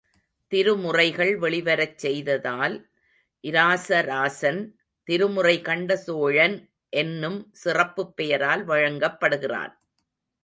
திருமுறைகள் வெளிவரச் செய்ததால், இராச ராசன், திருமுறைகண்டசோழன் என்னும் சிறப்புப் பெயரால் வழங்கப்படுகிறான்.